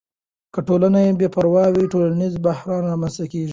که ټولنه بې پروا وي، ټولنیز بحران رامنځته کیږي.